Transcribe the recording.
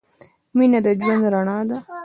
مینه د ژوند رڼا ده.